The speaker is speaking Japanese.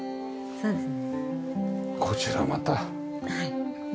そうですね。